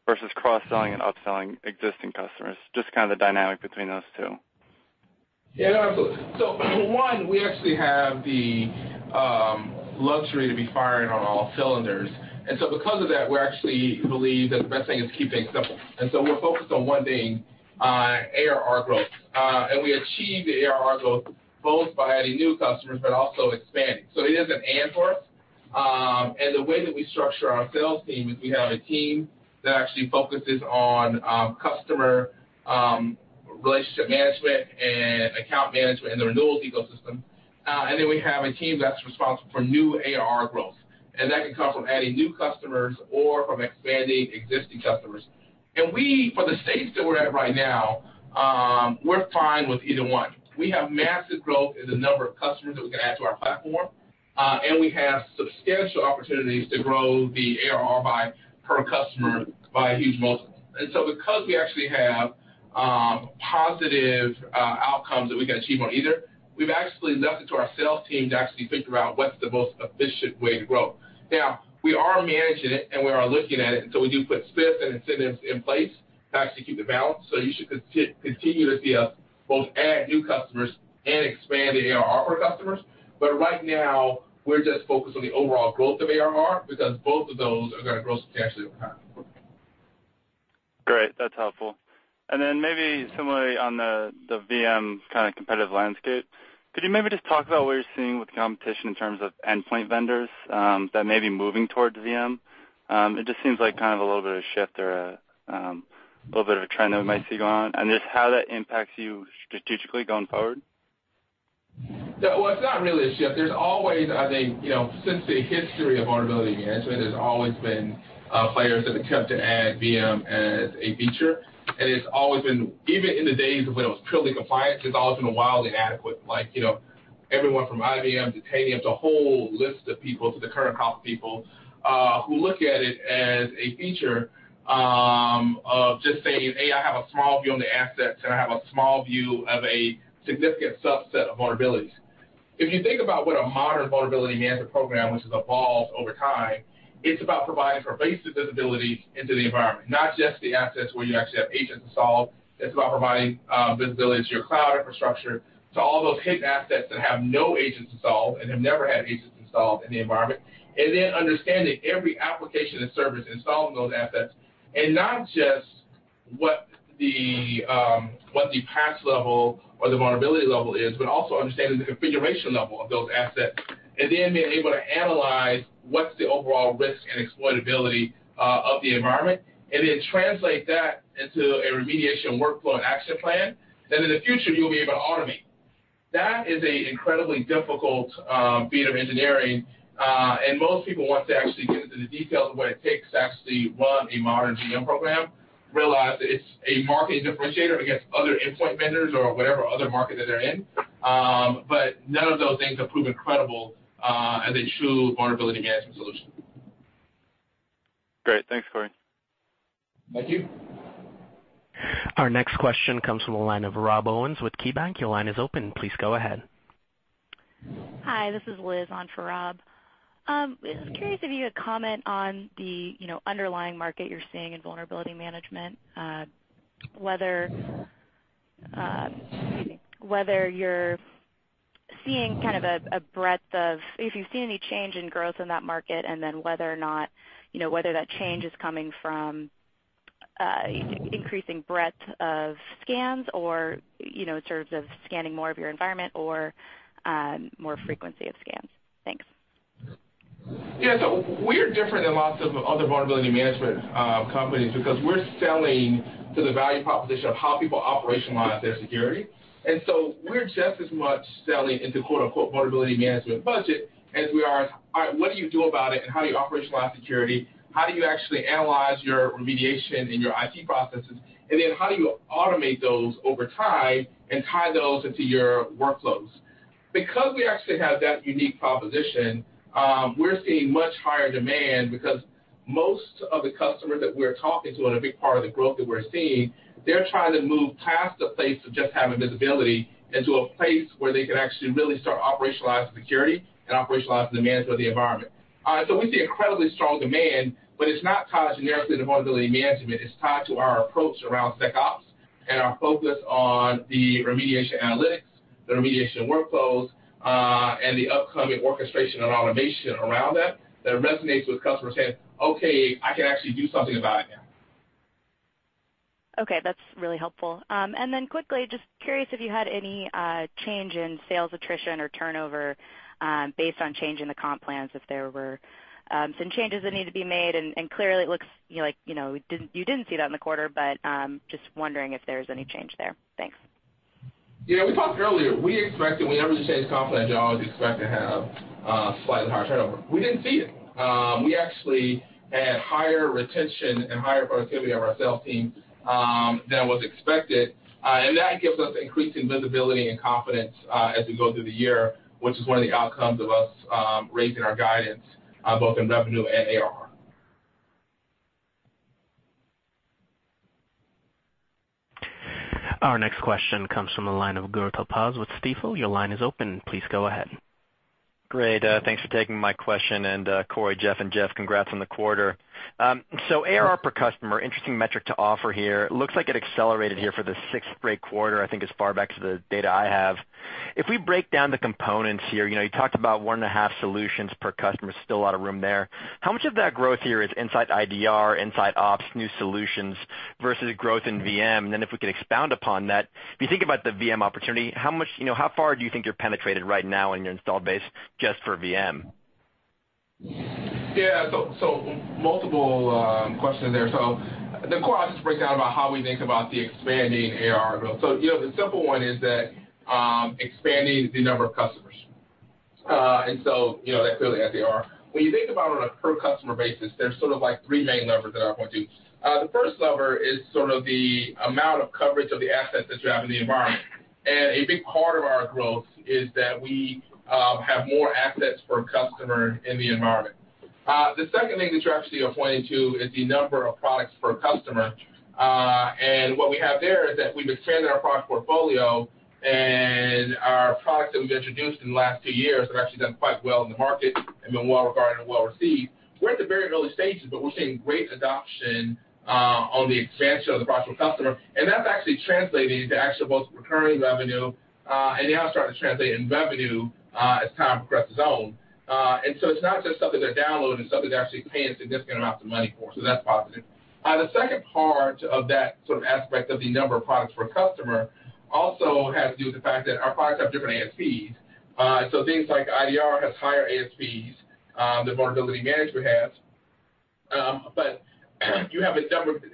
Speaker 7: versus cross-selling and upselling existing customers, just kind of the dynamic between those two.
Speaker 3: Yeah, absolutely. For one, we actually have the luxury to be firing on all cylinders. Because of that, we actually believe that the best thing is to keep things simple. We're focused on one thing, ARR growth. We achieve the ARR growth both by adding new customers, but also expanding. It is an and for us. The way that we structure our sales team is we have a team that actually focuses on customer relationship management and account management and the renewal ecosystem. We have a team that's responsible for new ARR growth. That can come from adding new customers or from expanding existing customers. We, for the stage that we're at right now, we're fine with either one. We have massive growth in the number of customers that we can add to our platform, and we have substantial opportunities to grow the ARR per customer by a huge multiple. Because we actually have positive outcomes that we can achieve on either, we've actually left it to our sales team to actually figure out what's the most efficient way to grow. Now, we are managing it, and we are looking at it, we do put spiffs and incentives in place to actually keep the balance. You should continue to see us both add new customers and expand the ARR for customers. Right now, we're just focused on the overall growth of ARR because both of those are going to grow substantially over time.
Speaker 7: Great. That's helpful. Maybe similarly on the VM kind of competitive landscape, could you maybe just talk about what you're seeing with the competition in terms of endpoint vendors that may be moving towards VM? It just seems like kind of a little bit of a shift or a little bit of a trend that we might see going on, and just how that impacts you strategically going forward.
Speaker 3: Well, it's not really a shift. There's always, I think, since the history of vulnerability management, there's always been players that have attempted to add VM as a feature, and it's always been, even in the days of when it was purely compliance, it's always been wildly inadequate. Everyone from IBM to Tanium to a whole list of people, to the current crop of people, who look at it as a feature of just saying, "Hey, I have a small view on the assets, and I have a small view of a significant subset of vulnerabilities." If you think about what a modern vulnerability management program, which has evolved over time, it's about providing pervasive visibility into the environment, not just the assets where you actually have agents installed. It's about providing visibility to your cloud infrastructure, to all those hidden assets that have no agents installed and have never had agents installed in the environment. Then understanding every application and service installed on those assets, and not just what the patch level or the vulnerability level is, but also understanding the configuration level of those assets. Then being able to analyze what's the overall risk and exploitability of the environment, and then translate that into a remediation workflow and action plan that in the future you'll be able to automate. That is an incredibly difficult feat of engineering. Most people want to actually get into the details of what it takes to actually run a modern VM program, realize that it's a marketing differentiator against other endpoint vendors or whatever other market that they're in. None of those things have proven credible as a true vulnerability management solution.
Speaker 7: Great. Thanks, Corey.
Speaker 3: Thank you.
Speaker 1: Our next question comes from the line of Rob Owens with KeyBanc. Your line is open. Please go ahead.
Speaker 8: Hi, this is Liz on for Rob. I was curious if you could comment on the underlying market you're seeing in vulnerability management, whether you're seeing any change in growth in that market, whether that change is coming from increasing breadth of scans in terms of scanning more of your environment or more frequency of scans. Thanks.
Speaker 3: Yeah. We're different than lots of other vulnerability management companies because we're selling to the value proposition of how people operationalize their security. We're just as much selling into "vulnerability management budget" as we are what do you do about it and how do you operationalize security? How do you actually analyze your remediation and your IT processes? How do you automate those over time and tie those into your workflows? We actually have that unique proposition, we're seeing much higher demand because most of the customers that we're talking to on a big part of the growth that we're seeing, they're trying to move past the place of just having visibility into a place where they can actually really start operationalizing security and operationalizing the management of the environment. We see incredibly strong demand, it's not tied generically to vulnerability management. It's tied to our approach around SecOps and our focus on the remediation analytics, the remediation workflows, and the upcoming orchestration and automation around that resonates with customers saying, "Okay, I can actually do something about it now.
Speaker 8: Okay, that's really helpful. Then quickly, just curious if you had any change in sales attrition or turnover based on change in the comp plans, if there were some changes that needed to be made, clearly it looks like you didn't see that in the quarter, but just wondering if there's any change there. Thanks.
Speaker 3: Yeah. We talked earlier. Whenever you change comp plan, you always expect to have slightly higher turnover. We didn't see it. We actually had higher retention and higher productivity of our sales team than was expected. That gives us increasing visibility and confidence as we go through the year, which is one of the outcomes of us raising our guidance both in revenue and AR.
Speaker 1: Our next question comes from the line of Gur Talpaz with Stifel. Your line is open. Please go ahead.
Speaker 9: Great. Thanks for taking my question. Corey, Jeff, and Jeff, congrats on the quarter. ARR per customer, interesting metric to offer here. Looks like it accelerated here for the sixth straight quarter, I think as far back as the data I have. If we break down the components here, you talked about 1.5 solutions per customer, still a lot of room there. How much of that growth here is InsightIDR, InsightAppSec, new solutions versus growth in VM? If we could expound upon that, if you think about the VM opportunity, how far do you think you're penetrated right now in your installed base just for VM?
Speaker 3: Yeah. Multiple questions there. The core, I'll just break down about how we think about the expanding ARR growth. The simple one is that expanding the number of customers. That's clearly. [inaudible] When you think about it on a per customer basis, there's three main levers. The first lever is the amount of coverage of the assets that you have in the environment. A big part of our growth is that we have more assets per customer in the environment. The second thing that you're actually pointing to is the number of products per customer. What we have there is that we've expanded our product portfolio, and our products that we've introduced in the last 2 years have actually done quite well in the market and been well-regarded and well-received. We're at the very early stages, but we're seeing great adoption on the expansion of the product per customer, and that's actually translating to actual both recurring revenue and now starting to translate in revenue as time progresses on. It's not just something they're downloading, something they're actually paying a significant amount of money for. That's positive. The second part of that aspect of the number of products per customer also has to do with the fact that our products have different ASPs. Things like InsightIDR has higher ASPs than vulnerability management has.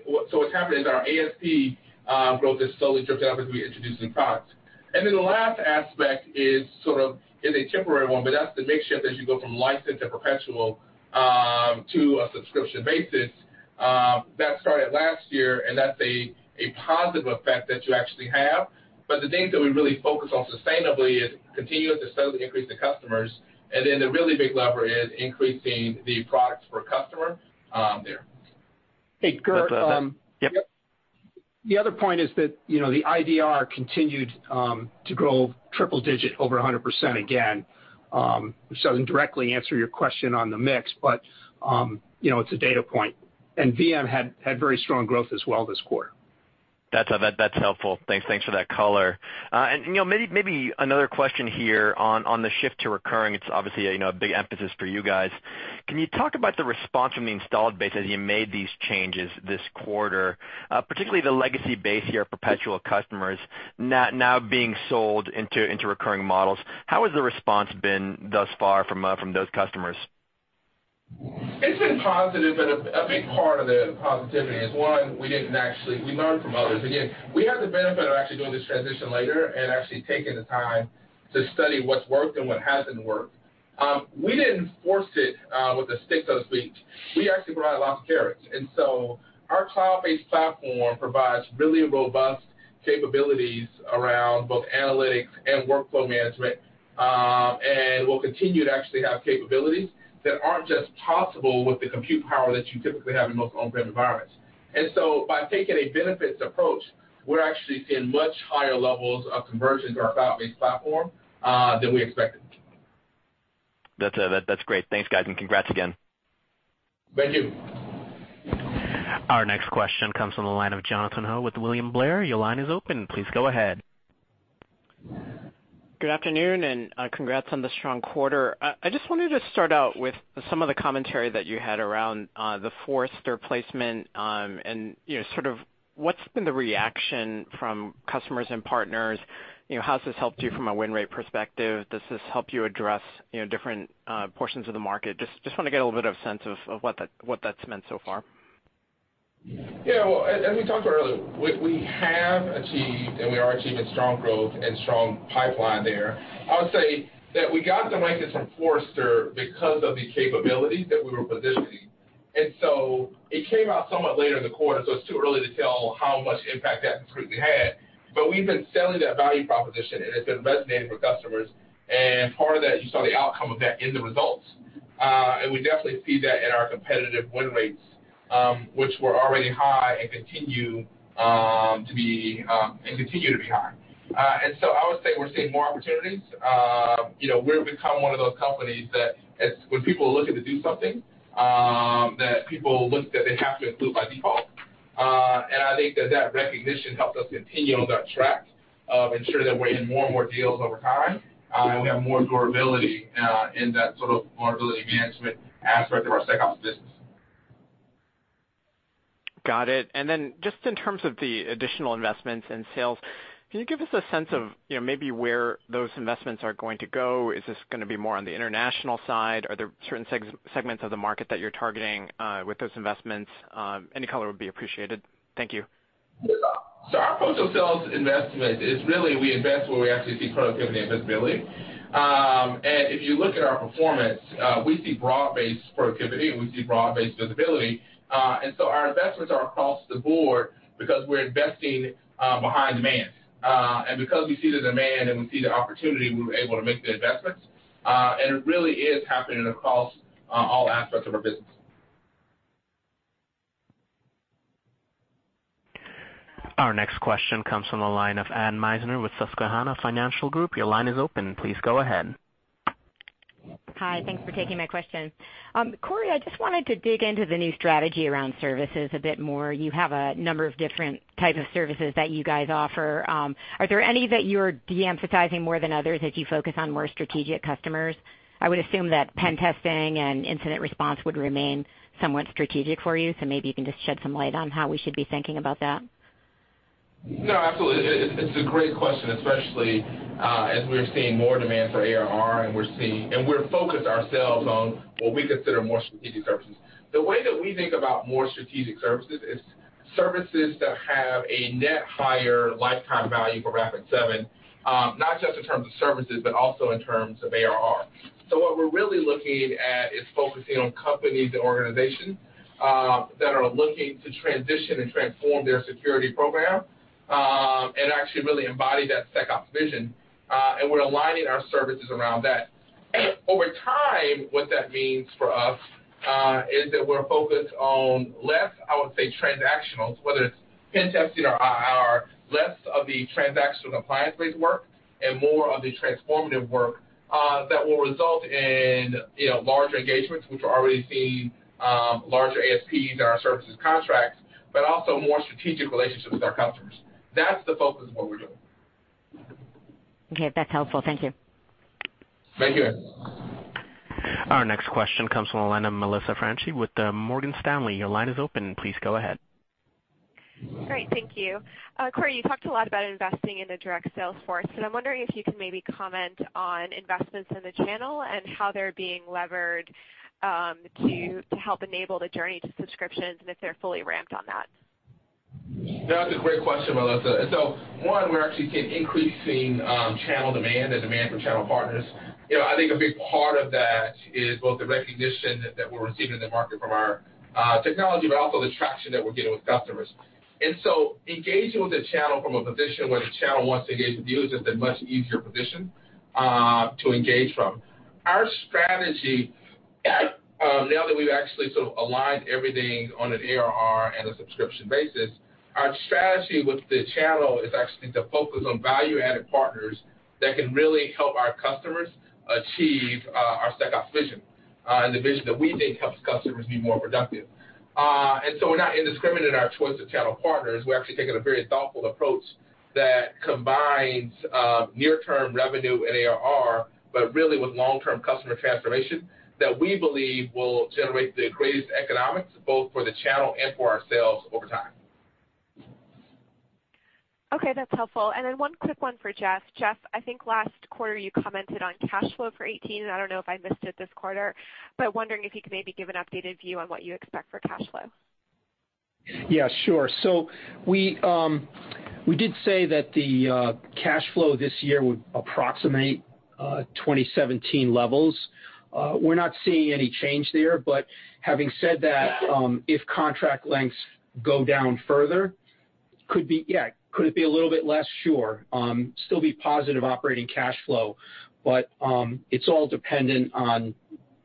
Speaker 3: What's happening is our ASP growth has slowly dripped up as we introduce new products. The last aspect is a temporary one, but that's the makeshift as you go from license and perpetual to a subscription basis. That started last year, and that's a positive effect that you actually have. The things that we really focus on sustainably is continuous and slowly increase the customers. The really big lever is increasing the products per customer there.
Speaker 2: Hey, Gur.
Speaker 9: Yep.
Speaker 4: The other point is that the IDR continued to grow triple digit over 100% again, which doesn't directly answer your question on the mix, but it's a data point. VM had very strong growth as well this quarter.
Speaker 9: That's helpful. Thanks for that color. Maybe another question here on the shift to recurring. It's obviously a big emphasis for you guys. Can you talk about the response from the installed base as you made these changes this quarter? Particularly the legacy base of your perpetual customers now being sold into recurring models. How has the response been thus far from those customers?
Speaker 3: It's been positive, and a big part of the positivity is, one, we learned from others. Again, we had the benefit of actually doing this transition later and actually taking the time to study what's worked and what hasn't worked. We didn't force it with a stick, so to speak. We actually brought a lot of carrots. So our cloud-based platform provides really robust capabilities around both analytics and workflow management. We'll continue to actually have capabilities that aren't just possible with the compute power that you typically have in most on-prem environments. So by taking a benefits approach, we're actually seeing much higher levels of conversion to our cloud-based platform than we expected.
Speaker 9: That's great. Thanks, guys, and congrats again.
Speaker 3: Thank you.
Speaker 1: Our next question comes from the line of Jonathan Ho with William Blair. Your line is open. Please go ahead.
Speaker 10: Good afternoon and congrats on the strong quarter. I just wanted to start out with some of the commentary that you had around the Forrester placement and what's been the reaction from customers and partners? How has this helped you from a win rate perspective? Does this help you address different portions of the market? Just want to get a little bit of sense of what that's meant so far.
Speaker 3: Yeah. Well, as we talked about earlier, we have achieved, and we are achieving strong growth and strong pipeline there. I would say that we got the rankings from Forrester because of the capabilities that we were positioning. It came out somewhat later in the quarter, so it's too early to tell how much impact that specifically had. We've been selling that value proposition, and it's been resonating with customers. Part of that, you saw the outcome of that in the results. We definitely see that in our competitive win rates, which were already high and continue to be high. I would say we're seeing more opportunities. We've become one of those companies that when people are looking to do something, that people look that they have to include by default. I think that that recognition helps us continue on that track of ensuring that we're in more and more deals over time, and we have more durability in that sort of vulnerability management aspect of our SecOps business.
Speaker 10: Got it. Just in terms of the additional investments in sales, can you give us a sense of maybe where those investments are going to go? Is this going to be more on the international side? Are there certain segments of the market that you're targeting with those investments? Any color would be appreciated. Thank you.
Speaker 3: Yeah. Our post-sales investment is really we invest where we actually see productivity and visibility. If you look at our performance, we see broad-based productivity, and we see broad-based visibility. Our investments are across the board because we're investing behind demand. Because we see the demand and we see the opportunity, we were able to make the investments. It really is happening across all aspects of our business.
Speaker 1: Our next question comes from the line of Anne Meisner with Susquehanna Financial Group. Your line is open. Please go ahead.
Speaker 11: Hi. Thanks for taking my question. Corey, I just wanted to dig into the new strategy around services a bit more. You have a number of different types of services that you guys offer. Are there any that you're de-emphasizing more than others as you focus on more strategic customers? I would assume that pen testing and incident response would remain somewhat strategic for you, so maybe you can just shed some light on how we should be thinking about that.
Speaker 3: No, absolutely. It's a great question, especially as we're seeing more demand for ARR and we're focused ourselves on what we consider more strategic services. The way that we think about more strategic services is services that have a net higher lifetime value for Rapid7, not just in terms of services, but also in terms of ARR. What we're really looking at is focusing on companies and organizations that are looking to transition and transform their security program, and actually really embody that SecOps vision. We're aligning our services around that. Over time, what that means for us is that we're focused on less, I would say, transactionals, whether it's pen testing or IR, less of the transactional compliance-based work and more of the transformative work that will result in larger engagements, which we're already seeing larger ASPs in our services contracts, but also more strategic relationships with our customers. That's the focus of what we're doing.
Speaker 11: Okay. That's helpful. Thank you.
Speaker 3: Thank you, Anne.
Speaker 1: Our next question comes from the line of Melissa Franchi with Morgan Stanley. Your line is open. Please go ahead.
Speaker 12: Great. Thank you. Corey, you talked a lot about investing in the direct sales force, and I'm wondering if you can maybe comment on investments in the channel and how they're being levered to help enable the journey to subscriptions and if they're fully ramped on that. That's a great question, Melissa. One, we're actually seeing increasing channel demand and demand from channel partners. I think a big part of that is both the recognition that we're receiving in the market from our technology, but also the traction that we're getting with customers. Engaging with the channel from a position where the channel wants to engage with you is just a much easier position to engage from.
Speaker 3: Our strategy now that we've actually sort of aligned everything on an ARR and a subscription basis. Our strategy with the channel is actually to focus on value-added partners that can really help our customers achieve our SecOps vision, and the vision that we think helps customers be more productive. We're not indiscriminate in our choice of channel partners. We're actually taking a very thoughtful approach that combines near-term revenue and ARR, but really with long-term customer transformation that we believe will generate the greatest economics both for the channel and for ourselves over time.
Speaker 12: Okay, that's helpful. One quick one for Jeff. Jeff, I think last quarter you commented on cash flow for 2018, and I don't know if I missed it this quarter, but wondering if you could maybe give an updated view on what you expect for cash flow.
Speaker 4: Yeah, sure. We did say that the cash flow this year would approximate 2017 levels. We're not seeing any change there, but having said that, if contract lengths go down further, could it be a little bit less? Sure. Still be positive operating cash flow, but it's all dependent on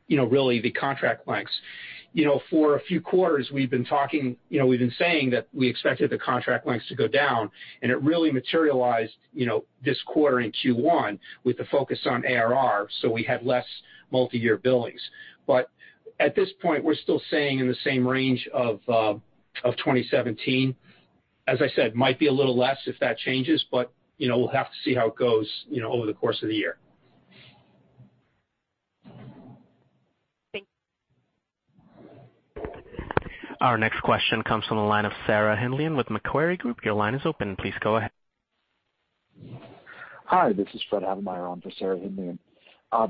Speaker 4: really the contract lengths. For a few quarters, we've been saying that we expected the contract lengths to go down, and it really materialized this quarter in Q1 with the focus on ARR, so we had less multi-year billings. At this point, we're still staying in the same range of 2017. As I said, might be a little less if that changes, but we'll have to see how it goes over the course of the year.
Speaker 12: Thank you.
Speaker 1: Our next question comes from the line of Fred Havemeyer with Macquarie Group. Your line is open. Please go ahead.
Speaker 13: Hi, this is Fred Havemeyer on for Sarah Hindlian. I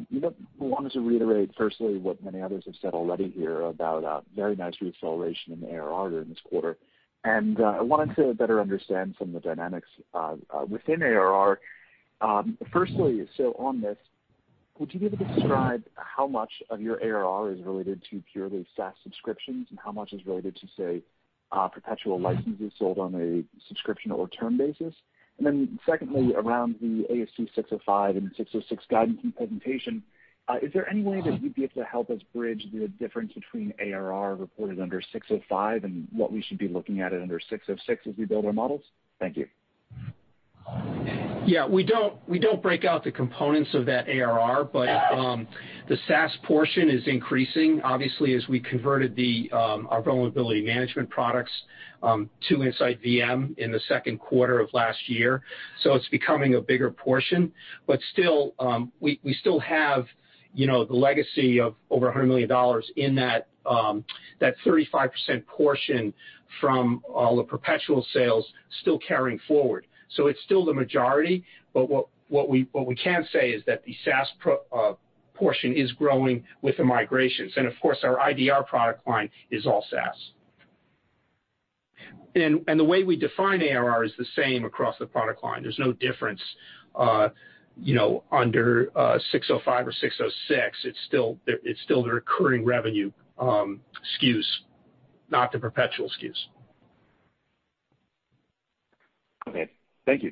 Speaker 13: wanted to reiterate firstly what many others have said already here about very nice re-acceleration in the ARR during this quarter. I wanted to better understand some of the dynamics within ARR. Firstly, so on this, would you be able to describe how much of your ARR is related to purely SaaS subscriptions and how much is related to, say, perpetual licenses sold on a subscription or term basis? Secondly, around the ASC 605 and 606 guidance and presentation, is there any way that you'd be able to help us bridge the difference between ARR reported under 605 and what we should be looking at it under 606 as we build our models? Thank you.
Speaker 4: Yeah, we don't break out the components of that ARR. The SaaS portion is increasing, obviously, as we converted our vulnerability management products to InsightVM in the second quarter of last year. It's becoming a bigger portion. We still have the legacy of over $100 million in that 35% portion from all the perpetual sales still carrying forward. It's still the majority, but what we can say is that the SaaS portion is growing with the migrations. Of course, our IDR product line is all SaaS. The way we define ARR is the same across the product line. There's no difference under 605 or 606. It's still the recurring revenue SKUs, not the perpetual SKUs.
Speaker 13: Okay. Thank you.